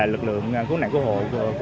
lực lượng cứu nạn cứu hồ